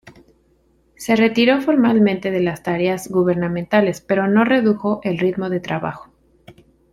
Se retiró formalmente de las tareas gubernamentales, pero no redujo el ritmo de trabajo.